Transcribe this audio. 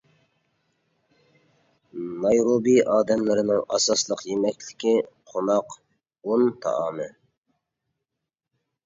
نايروبى ئادەملىرىنىڭ ئاساسلىق يېمەكلىكى قوناق، ئۇن تائامى.